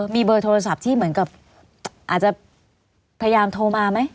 มีเบอร์โทรศัพท์ที่เหมือนกับอาจจะพยายามโทรมาไหม